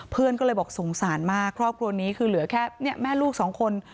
เพื่อนก็เลยบอกสงสารมากครอบครัวนี้คือเหลือแค่แม่ลูกสองคน